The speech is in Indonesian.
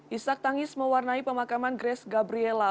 isak tangis mewarnai pemakaman grace gabriela